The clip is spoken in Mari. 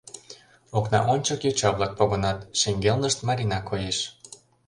Окна ончык йоча-влак погынат, шеҥгелнышт Марина коеш.